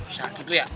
sakit lu ya